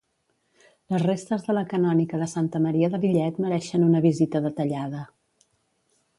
Les restes de la canònica de Santa Maria de Lillet mereixen una visita detallada.